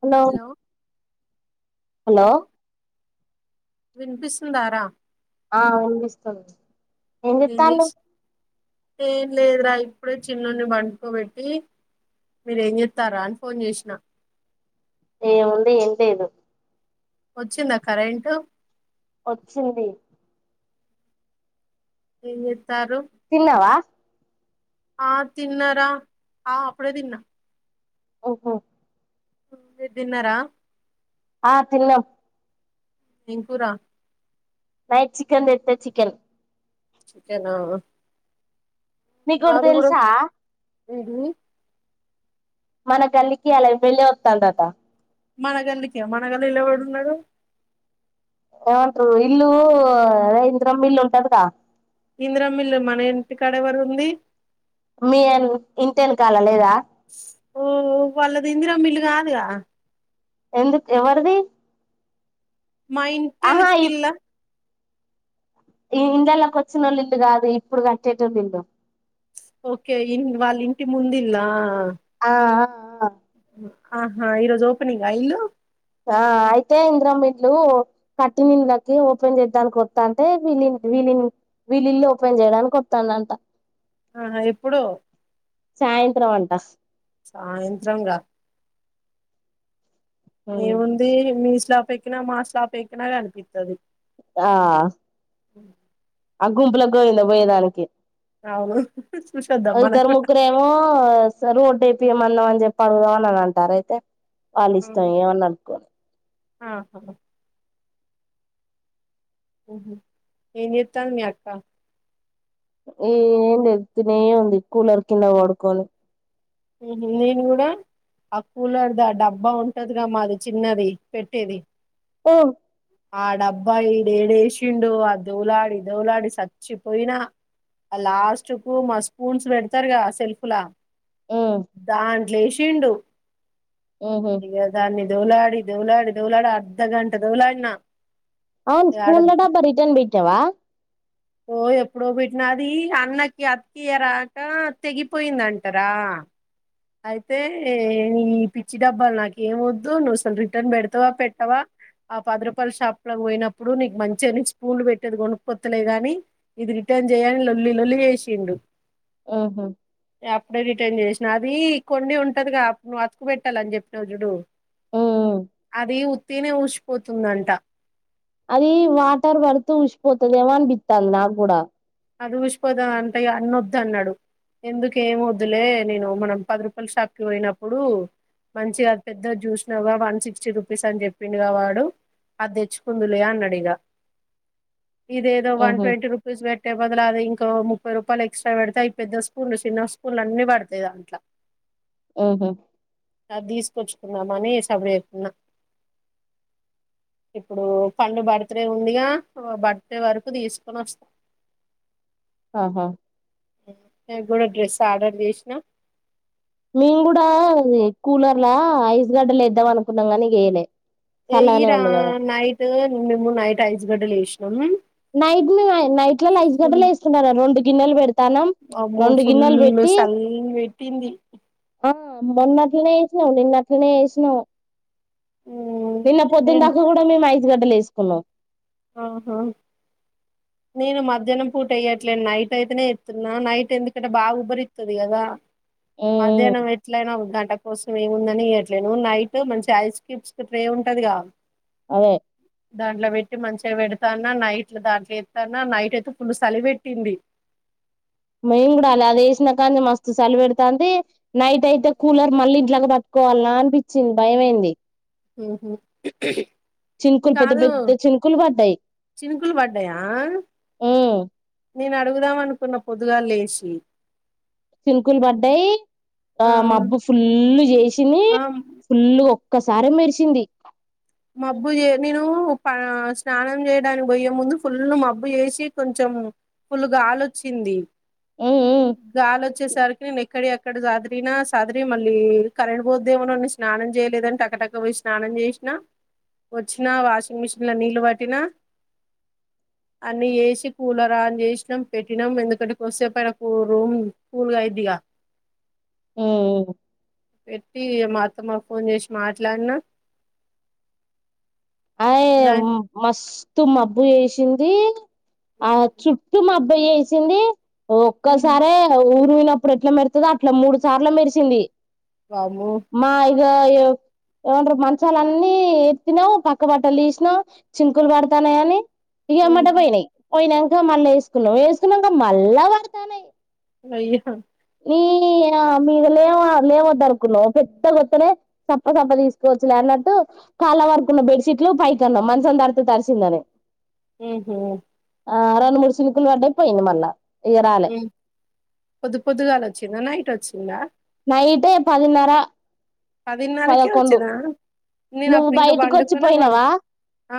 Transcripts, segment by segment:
hello hello వినిపిస్తుందరా ఆ వినిపిస్తుంది ఏం చెత్తండ్లు ఏం లేదురా ఇప్పుడే చిన్నోని పండుకోబెట్టి మీరు ఏం చెత్తంరా అని ఫోన్ చేసీన ఏముంది ఏం లేదు వచ్చింద కరెంటు వచ్చింది ఏం చెత్తారృ తిన్నవా ఆ తిన్నరా ఆ అప్పుడే తిన్న ఓహో మీరు తిన్నరా ఆ తిన్నం ఏం కూర నైట్ చికెన్ తెతే చికెన్ చికెనా నిగొకటి తెలుసా ఇది మన గల్లికి అలా వెళ్ళి వత్తాందట మన గల్లికి ఆ మన గల్లిలొ ఎవడు ఉన్నాడు ఏమంటారు ఇల్లు రైంద్రం మిల్లు ఉంటదిగా ఇంద్రా మిల్ మన ఇంటి కాడ ఎవడు ఉంది మీ ఎన్ ఇంటి వెనకాల లేదా ఓహో వాళ్ళది ఇందిరా మిల్లు కాదుగా ఎందుకు ఎవరిది మా ఇంటి ఆహా ఎనుకిలా ఈ ఇండ్లలోకి వచ్చినోళ్ళ ఇల్లు కాదు ఇప్పుడు కట్టేటోల్ల ఇల్లు ఓకే ఇన్ వాళ్ళ ఇంటి ముందిల్లా ఆ ఆ ఆ ఆహా ఈరోజు ఓపెనింగా ఇల్లు ఆ అయితే ఇంద్రంమిల్లు కట్టి నిళ్ళకి ఓపెన్ చేద్దానికి కొత్తాంటే వీ వీళ వీళ్ళల్లు ఓపెన్ చేయడానికి కొతాండంట ఆ ఎప్పుడో సాయంత్రం అంట సాయంత్రంగా ఏముంది మీ స్లా పెక్కినా మా స్లాపెక్కినా కనిపితది ఆ గుంపులో గోవింద పోయేదానికి అవును చూసొద్దాం ఆ మనం ఇద్దరు కూడా ముగ్గురేమో సార్ రోడ్ అయిపియ సంబందం అని చెప్పాడుదా అన్ని అంటారా అయితే వాళ్ళ ఇష్టం ఏమన్నా అనుకోని ఆహా ఉహు ఏం చెత్తంది మీ అక్క ఏంది తినే ఉంది కూలర్ కింద పడుకొని ఉహుమ్ నేను కూడా ఆ కూలర్ దా డబ్బా ఉంటదిగా మాది చిన్నది పెట్టేది ఆ డబ్బా ఈడు యడేషి దిండు ఆ దౌలాడి దౌలాడి సచ్చిపోయినా లాస్ట్ కు మా స్పూన్స్ పెడతారు కద ఆ సెల్ఫ్ లా దాన్ లే షిండు ఇదే దాన్ని దౌలాడి దౌలాడి దౌలాడి అర్ధఘంట దౌలాడి నా అవును స్కూల్ డబ్బా రిటర్న్ బట్టి టవా ఓ ఎప్పుడో బెట్టిన అది అన్నకి అతికియరాక తెగిపోయిందంటారా అయితే ఈ పిచ్చి డబ్బాలు నాక ఏమొద్దు నువ్వు అసలు రిటర్న్ పెడతావా పెట్టావా ఆ పదరూపాయల షాప్ లో పోయినప్పుడు నీకు మంచిగాని స్పూలు పెట్టేది కొనుకుపోత్తలేగాని ఇది రిటర్న్ చేయని లొల్లి లొల్లి చేసిండు ఇగ అప్పుడే రిటర్న్ చేసి అవి కొన్ని ఉంటదిగా నువు అతుకు పెట్టాల అని చెప్పినవు జుడు అది ఉత్తిగనే ఉష్ పోతుందంట అది వాటర్ బడుతూ ఉషిపోతుదేమో అని బిత్తంది నాకు కూడా అదిగిసిపోదా అంటే అన్న వద్దు అన్నాడు ఎందుకు ఏమ వద్దులే నేను మనం పది రూపాయల షాప్కి పోయినప్పుడు మంచిగా అది పెద్ద చూసినావ్గా వన్ సిక్స్టీ రూపీస్ అని చెప్పిండగా వాడు అది తెచ్చుకుందులే అన్నాడు ఇగ ఇదేదో వన్ ఉహు ట్వంటీ రూపీస్ పెట్ వదలాది ఇంకా ముప్పై రూపాయలు ఎక్స్ట్రా పెడితే ఈ పెద్ద స్పూన్లు చిన్న స్పూన్లు అన్ని పడతాయి దాంట్లా ఉహు అద్దిసుకుచ్చ దమని సబరి చేతున్నా ఇప్పుడు పండు బర్త్డే ఉందిగా బర్త్డే వరకు తీసుకొని వస్తాం ఆహా డే గూడా డ్రెస్ ఆర్డర్ చేసినా మేము గూడా కూలర్లా ఐస్ గడ్డలేద్దాం అనుకున్నాం గానీ యేయలే ఏ ఈరా నైట్ మిమ్ నైట్ ఐసు గడ్లు ఏసీ సినాం నైట్ మే నైట్లలఐస్ గడ్డలు వేస్తుంట రెండు గిన్నెలు పెడతానం అమ్మో రెండు ఫుల్ గిన్నెలు పెట్టి సల్ల్ పెట్టింది ఆ మొన్న నిన్న వేసిన నిన్న అట్లానే వేసిన మ్ నిన్న పొద్దున్న నేను దాకా కూడా మేము ఐసుగడ్డలే వేసాం ఫల ఆహా నేను మధ్యాహ్నం పూటయ్యట్లేను నైట్ అయితేనే ఎత్తున్నా నైట్ ఎందుకంటే బాగా ఉబ్బరిత్తది గదా ఉమ్ మధ్యాహ్నం ఎట్లయినా ఒక గంట కోస ఏముందని చేయట్లేను్ నైట్ మంచి ఐస్ క్యూబ్స్ కి ట్రే ఉంటదిగా అదే దాంట్లో పెట్టి మంచిగా పెడు తన్న నైట్ల దా న్నా నైట్ అయితే ఫుల్ సలి పెట్టింది మేం గూడా అలానే లేసినకాని మస్తం సల్ పెడుతంది నైట్ అయితే కూలర్ మళ్ళీ ఇట్లా కోవాల అనిపించింది భయంమైంది ఊ హు చిన్కుల్ పెద్ద పెద్ద చిన్కులు బడ్డయి చినుకులు పడ్డాయా ఉమ్ నేను అడుగుదాం అనుకున్న పొద్దుగా లేసి చినుకులు పడ్డాయి ఆ మబ్బు ఫుల్లు చేశింది ఆ ఫుల్లు ఒక్కసారి మెరిశింది మబ్బు ఏ నేను ప స్నానం చేయడానికి పోయే ముందు ఫుల్ మబ్బు చేసి కొంచెం ఫుల్ గాలొచ్చింది ఉమ్ ఉమ్ గాలొచ్చేసరికి నేను ఎక్కడియిఅక్క ఇక్కడ సదరిన సదిరి మళ్ళీ కరంట్ బోద్దేమోనని స్నానం చేయలేదని టకటక పొయి స్నానం చేసినా వచ్చినా వాషింగ్ మిషిన్ల నీళ్ళు పట్టినా అన్ని చేసి కూలర్ ఆన్ చేసినం పెట్టినం ఎందుకంటే కాస్సేపైన రూమ్ కూల్గా అయిద్దిగా ఆ పెట్టి మా అత్తమకు ఫోన్ చేసి మాట్లాడిన అయ మస్ త్తు మబ్బు చేశింది ఆ చుట్టు మాబ్ బ్బ చేశింది ఒక్కసారే పోయినప్పుడు ఎట్లా మెర్త్దో అట్ల మూడు సార్ల మెరిశింది వామ్మో ఇ ఏమంటరు మంచాలన్నీ ఎత్తిన పక్క పక్క బట్టలు తీసినా చింకులు పడతానయని ఇగ ఎంబటే పోయినయి పొయినంక మళ్ళ ఏసుకున్నం వేసుకున్నక మళ్ళా వాడతానయి అయ్యా ఈ మీద లేవా లేవద్దరుకున్నము పెద్ద కొత్తనే సప్ప సప్ప తీసుకోవచ్చులే అన్నట్టు కాళ్ళ వరకున్న బెడ్ షీట్లు పైకిన్నము మంచం తడ్తే తడిశిందని ఊహూ హో ఆ రండు మూడు శిలుకులు పడ్డయి పోయింది మళ్ళా ఇగ రాలే పొద్దు పొద్దు గాల వచ్చిందా నైట్ వచ్చిందా నైటే పదిన్నర పదిన్నరకే పదకొండు వచ్చిందా నేను నువ్వు అప్పుడు ఇంకా బయటకి బండుకోనే బండు వచ్చిపోయినావా ఆ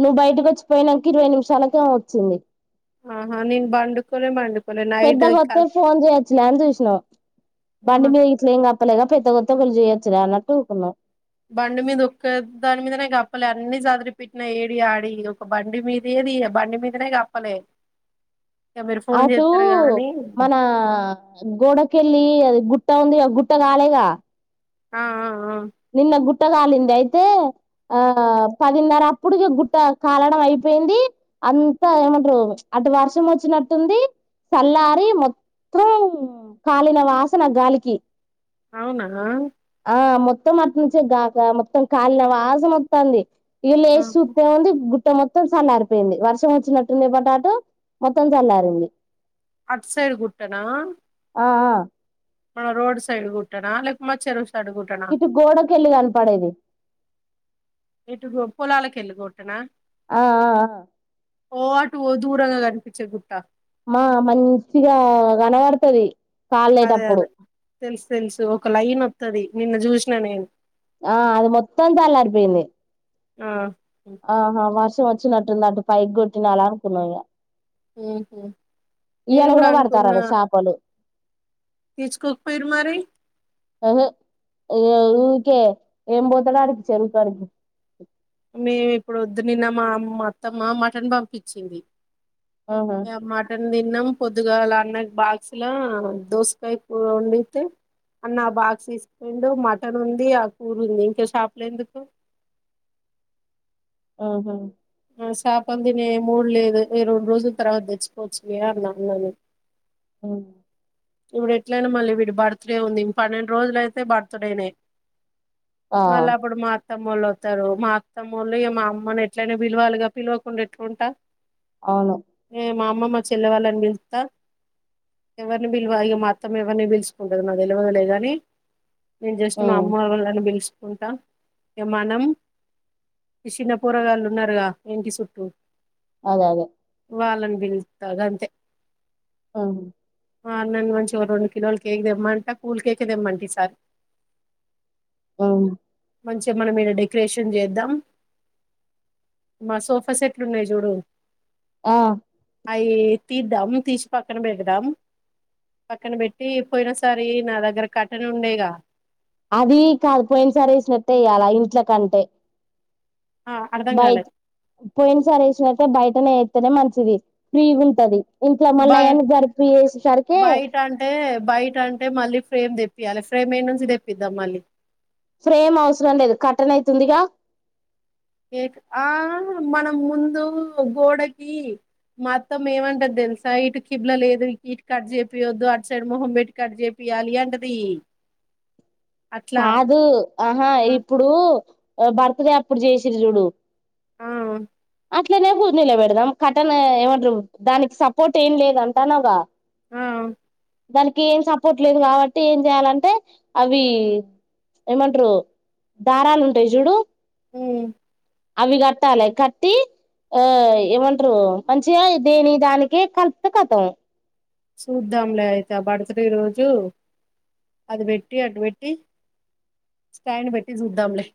నువ్వు బయటకు వచ్చిపోయినాక ఇరవై నిమిషాలకేమో వచ్చింది ఆహా నిను బండుకోనే బండుకోలే నైట్ ఈ పెద్దగొత్తే కల్ ఫోన్ చేయొచ్చులే అని చూసినాం బండి మీద గిట్లేం కప్పలేదా పెద్దగొచ్చే చేయొచ్చుగా అన్నట్టు ఊకున్నం బండి మీద ఒక్క దాని మీదనే గప్పలేదు అన్ని చదరి పెట్టిన ఏడి ఆడి ఒక బండి మీదియే తియ్య బండి మీదనే కప్పలే ఇక మీరు ఫోన్ అటూ చేస్తారు గానీ మన గోడకెళ్ళి అది గుట్ గుట్ట ఉంది గ గుట్ట కాలేగా ఆ ఆ ఆ నిన్న గుట్ గుట్ట కాలింది అయితే ఆ పదిన్నరప్పుడు ఇగ గుట్ట కాలడమయిపోయింది అంత ఏమంటరు అటు వర్షమొచ్చినట్టుంది తల్లారి మొత్తం కాలిన వాసన గాలికి అవునా ఆ మొత్తం అట్నుంచే గాక మొత్తం కాళిన వాసన ఒత్తంది ఈల్లు ఏసి పొందె గు ట్ట మొత్తం చల్లారిపోయింది వర్షం వచ్చినట్టుంది పటాట మొత్తం చల్లారింది అట్ సైడ్ కుట్టనా ఆ అ మన రోడ్ సైడ్ కుట్టనా లే మ చార ఇటు గోడకెల్లి కనపడేది ఎటు పొలాలకెళ్ళ కొట్టనా ఆ ఆ టు దూరంగ కనిపించ గుట్ట మా మంచిగ కనబడతది అదే అదే తెలుసు తెలుసు ఒక లైన్ స్తది నిన్న చూసిన నేను ఆ అది మొత్తం చల్లారిపోయింది ఆ ఆహా వా వచ్చినటుంద అటు పైక్ కొటినలా అనుకున్నా ఇగ మ్ హు నేను ఇయ్యాల కూడా అనుకున్నా పడతారట చేపలు తీసుకోకపోయిరు మరి అహ ఇగ ఊకే ఎం పోతడా లే అనిపించ చెరువుకాడికి మేము ఇప్పుడు వద్దు నిన్న మా మాత్తమ్మ మటన్ పంపిచ్చింది ఆహా ఎ మాట తిన్నాం పొద్దుగాల అన్నం బాక్స్ లా దోసకాయ కూర వండితే, అన్న ఆ బాక్స్ తీసుకోండు మటన్ ఉంది, ఆ కూర ఉంది ఇంక షాప్ లో ఎందుకు ఓహో ఆ శాపల్ తినే మూడు లేదు ఈ రెండు రోజుల తర్వాత తెచ్చుకోవచ్చు లే అన్నాను ఆ ఇవ్డు ఎట్లయినా మళ్ళీ ఇవ్డు బర్త్డే ఉంది పన్నెండు రోజులయితే బర్త్డేనే ఆ మళ్ళీ అప్పుడు మా అత్తమ్మ వాళ్ళు వతారు మా అత్తమ్ముళ్ళు ఇ మా అమ్మను ఎట్లయినా పిలువాలిగ పిలవకుండ ఎట్లుంటా అవును ఏ మా అమ్మమ్మ చెల్లె వాళ్ళనిపిలుత్త ఎవరు పిల్వ ఇక మా అత్తమ్మ ఎవరిని పిలుచుకుంటది మా తెల్వదు లె గాని నేను జస్ట్ మా ఉమ్ అమ్మ వాళ్ళని పిలుచు ఉంటా ఇగ మనం చిన్న పోరగాళ్లున్నారుగా ఇంటి సుట్టూ అదె అదె వాళ్ళని పిలుస్తాది అంతె ఆ మార్నన్ మంచి ఒక రొండు కిలోలు కేక్ దెమ్మంట కూల్ కేకె దెమ్మంట ఈసారి ఆ మంచిగ మనం ఈడ డెకరేషన్ చేద్దాం మా సోఫా సెట్లున్నాయి సూడు ఆ అయ్ తీద్దాం తీసి పక్కన బెడదాం పక్కన పెట్టి పోయిన సారి నా దగ్గర కర్టెన్ న ఉండేగా అది కాదు పోయిన సారి వేసినట్టే వేయ్యాల ఇంట్ల కంటే ఆ అర్ధం బయ కాలే పోయిన సారి వేసినట్టే బయటనే నే మంచిది ఫ్రీగ ఉంటది ఇంట్లో మళ్ళ బయ అయన్ని జరిపి వేసేసరికి బయట అంటే బయట అంటే మళ్ళీ ఫ్రేమ్ తె పియాలి ఫ్రేమ్ ఏడ నుంచి తెప్పిదాం మళ్ళీ ఫ్రేమ్ అవసరం లేదు కర్టైన్ అయితే ఉందిగా కేక్ ఆ మనం ముందు గోడకి మా అత్తమ్మ ఏమంటది తెలుసా ఇటు కిబ్ల లేదు ఇటు కట్ చేపియొద్దు అటు సైడ్ మొహం పెట్టి కట్ చేపియాలి అంటది అట్లా కాదు ఆహా ఆ ఇప్పుడు బర్త్డే అప్పుడు చేసిరి చూడు ఆ హ్ అట్లనే కుంది లొ పెడదాం కర్టైన్ ఏమంటరు దానికి సపోర్ట్ ఏం లేద అంటానవ్ గ ఆ దానికి ఏం సపోర్ట్ లేదు కాబట్టి ఏం చెయాలంటే అవి ఏమంటరు దారాలు ఉంటాయి చూడు ఉమ్ అవి కట్టాలి కట్టి ఆ ఏమంటరు మంచిగా దేని దానినకి కలిపితే కతం చూద్దాంలే అయితే ఆ బర్త్డే రోజు అది పెట్టి అటు పెట్టి స్టాండ్ పెట్టి చూద్దాంలే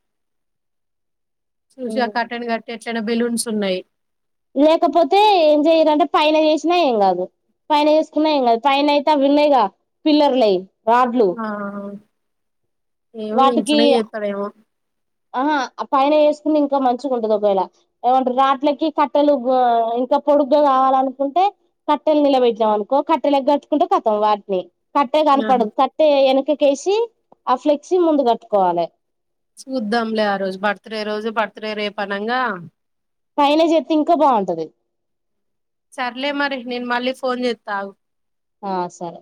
చూసి ఆ కర్టైన్ కట్టే చానా బెలూన్స్ ఉన్నాయి లేకపోతే ఏం చెయలంటే పైన చేసినా ఏం కాదు పైన చేసుకున్నా ఏం కాదు పైన అయితే అవి ఉన్నాయిగా పిల్లర్లవి ఆ ఏమో వాటికి ఇంట్లోనే చేతడేమో ఆహా ఆ పైన వేసుకుని ఇంకా మంచిగా ఉంటది ఒకవేళ ఏమంటరు రాట్లకి కట్టెలు ఇంకా పొడుగ్గా కావాలనుకుంటే కట్టెలు నిలబెట్టినం అనుకో కట్టెలు ఎగట్చుకుంటే కతం వాటిని కట్టే ఆహా, కనపడదు కట్టే ఎనుకకి క్కేసి ఆ ఫ్లెక్సీ ముందు కట్టుకోవాలి చూద్దాంలే ఆ రోజు బర్త్డే రోజు బర్త్ డే రేపనంగా పైన చెత్తే ఇంకా బాగుంటది సర్లే మరి నేను మళ్ళీ ఫోన్ చెత్త ఆగు ఆ సరే